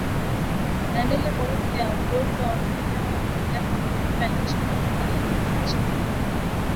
Dalili muhimu ya ugonjwa wa minyoo ni mnyama kuvimba chini ya taya la chini